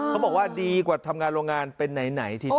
เขาบอกว่าดีกว่าทำงานโรงงานเป็นไหนทีเดียว